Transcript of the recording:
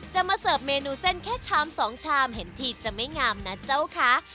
มาเสิร์ฟเมนูเส้นแค่ชามสองชามเห็นทีจะไม่งามนะเจ้าคะ